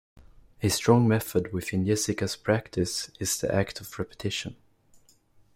A strong method within Jessica's practice is the act of repetition.